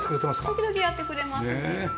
時々やってくれますね。